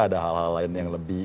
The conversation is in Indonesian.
ada hal hal lain yang lebih